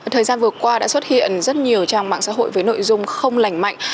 thời gian vừa qua đã xuất hiện rất nhiều trang mạng xã hội với nội dung không lành mạnh